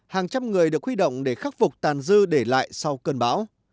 hàng trăm người được huy động để khắc phục tàn dư để lại sau cơn bão